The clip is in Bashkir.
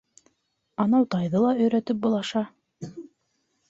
Анау тайҙы ла өйрәтеп булаша...